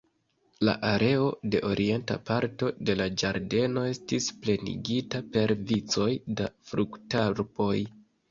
La areo de orienta parto de la ĝardeno estis plenigita per vicoj da fruktarboj.